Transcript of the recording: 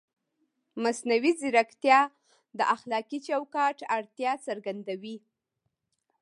مصنوعي ځیرکتیا د اخلاقي چوکاټ اړتیا څرګندوي.